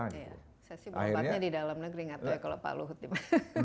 saya sih berobatnya di dalam negeri nggak tau ya kalau pak luhut di bawah